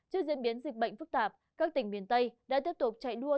trước diễn biến dịch bệnh phức tạp các tỉnh miền tây đã tiếp tục chạy đua